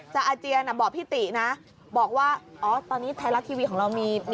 อาเจียนบอกพี่ตินะบอกว่าอ๋อตอนนี้ไทยรัฐทีวีของเรามี